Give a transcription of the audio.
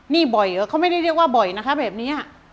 นี่บ่อยเหรอเขาไม่ได้เรียกว่าบ่อยนะคะแบบนี้